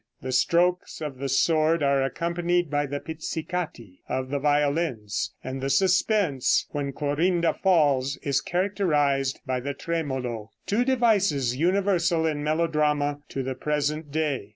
The strokes of the sword are accompanied by the pizzicati of the violins, and the suspense when Clorinda falls is characterized by the tremolo two devices universal in melodrama to the present day.